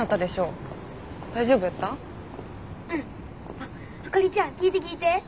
あかりちゃん聞いて聞いて。